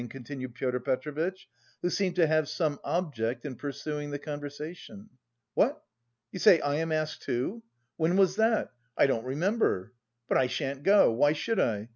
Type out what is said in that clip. continued Pyotr Petrovitch, who seemed to have some object in pursuing the conversation. "What? You say I am asked too? When was that? I don't remember. But I shan't go. Why should I?